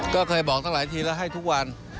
ก็เคยบอกตั้งหลายทีแล้วให้ทุกวัน